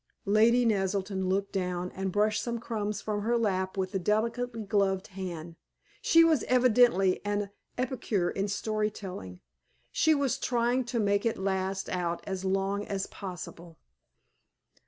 Lady Naselton looked down and brushed some crumbs from her lap with a delicately gloved hand. She was evidently an epicure in story telling. She was trying to make it last out as long as possible.